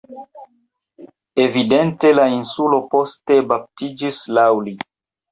Evidente la insulo poste baptiĝis laŭ li.